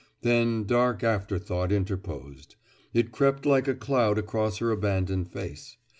Then dark afterthought interposed. It crept like a cloud across her abandoned face.